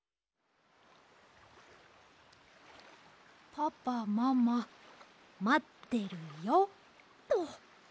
「パパママまってるよ」と。